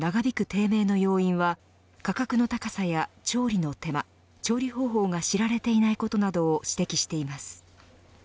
低迷の要因は価格の高さや調理の手間調理方法が知られていないことなどを指摘しています。